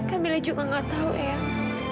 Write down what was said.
kak mila juga enggak tahu eang